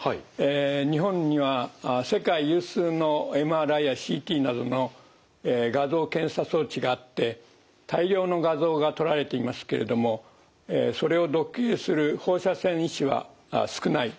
日本には世界有数のＭＲＩやＣＴなどの画像検査装置があって大量の画像が撮られていますけれどもそれを読影する放射線医師は少ない。